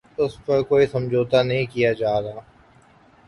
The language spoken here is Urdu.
اس پر کوئی سمجھوتہ نہیں کیا جارہا